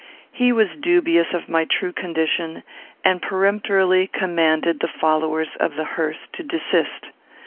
He was dubious of my true condition, and peremptorily commanded the followers of the hearse to desist.